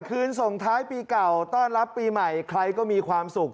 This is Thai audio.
คืนส่งท้ายปีเก่าต้อนรับปีใหม่ใครก็มีความสุข